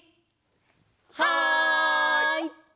はい！